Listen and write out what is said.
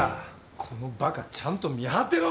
このばかちゃんと見張ってろ！